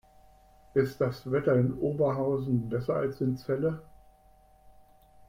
Ist das Wetter in Oberhausen besser als in Celle?